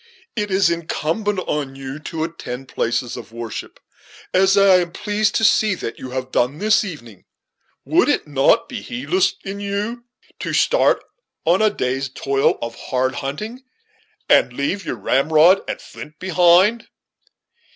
It is incumbent on you to attend places of public worship, as I am pleased to see that you have done this evening. Would it not be heedless in you to start on a day's toil of hard hunting, and leave your ramrod and flint behind?"